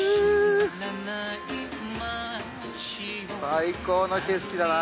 最高の景色だな。